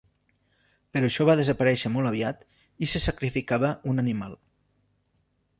Però això va desaparèixer molt aviat, i se sacrificava un animal.